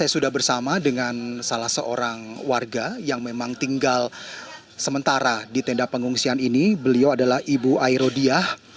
sementara di tenda pengungsian ini beliau adalah ibu airodia